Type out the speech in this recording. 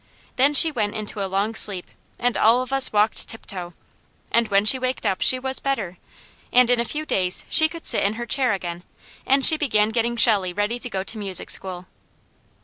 Then she went into a long sleep and all of us walked tiptoe, and when she waked up she was better, and in a few days she could sit in her chair again, and she began getting Shelley ready to go to music school.